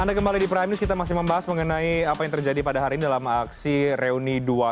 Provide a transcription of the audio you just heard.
anda kembali di prime news kita masih membahas mengenai apa yang terjadi pada hari ini dalam aksi reuni dua ratus dua belas